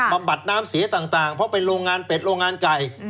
บำบัดน้ำเสียต่างเพราะเป็นโรงงานเป็ดโรงงานไก่